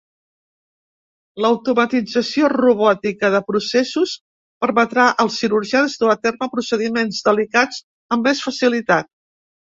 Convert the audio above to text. L'automatització robòtica de processos permetrà als cirurgians dur a terme procediments delicats amb més facilitat.